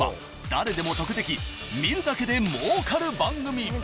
［誰でも得でき見るだけでもうかる番組］